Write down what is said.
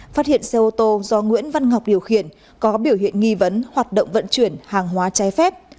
phát hiện xe ô tô do nguyễn văn ngọc điều khiển có biểu hiện nghi vấn hoạt động vận chuyển hàng hóa trái phép